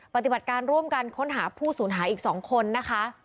ปฏิบัติการร่วมกันค้นหาผู้สูญหายอีก๒คนนะคะ